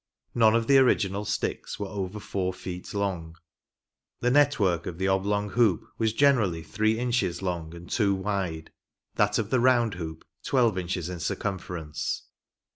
None of the original sticks were over four feet long. The net work of the oblong hoop was generally three inches long and two wide ; that of the round hoop, 12 THE ORIGINAL GAME. !ii; ":i ii twelve inches in circumference.